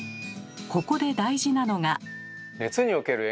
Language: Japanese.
ここで大事なのが。